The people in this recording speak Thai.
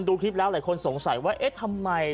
ที่รับหลายคนสงสัยว่าเอ๊ะทำไม